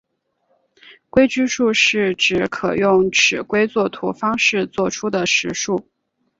规矩数是指可用尺规作图方式作出的实数。